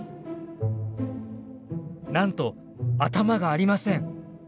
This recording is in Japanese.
なんと頭がありません！